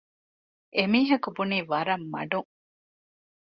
އެމީހަކު ބުނީ ވަރަށް މަޑުން